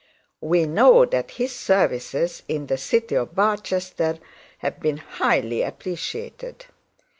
We know that his services in the city of Barchester have been highly appreciated.